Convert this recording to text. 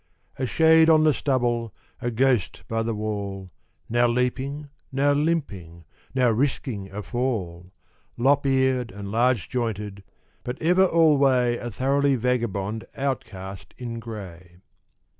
A shade on the stubble, a ghost by the wall, Now leaping, now limping, now risking a fall, Lop eared and large jointed, but ever alway A thoroughly vagabond outcast in gray.